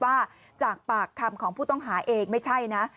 ว่าจากปากคำของผู้ต้องหาเองไม่ใช่นะ